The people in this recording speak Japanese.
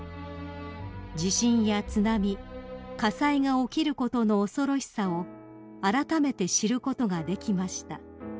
「地震や津波火災が起きることの恐ろしさをあらためて知ることができました」